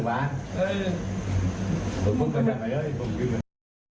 คุยกับตำรวจเนี่ยคุยกับตำรวจเนี่ย